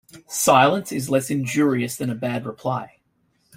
Silence is less injurious than a bad reply.